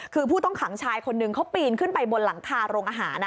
คือผู้ต้องขังชายคนนึงเขาปีนขึ้นไปบนหลังคาโรงอาหาร